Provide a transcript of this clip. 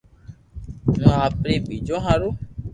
ھين آپري ٻچو ھارو